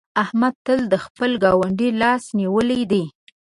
احمد تل د خپل ګاونډي لاس نيولی دی.